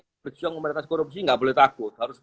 yang berjuang memberatas korupsi gak boleh takut harus